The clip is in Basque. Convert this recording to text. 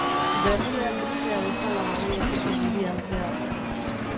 Berria gripea bezala barreiatu zen hirian zehar.